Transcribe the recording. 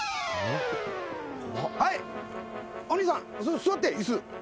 はいお兄さん座って椅子。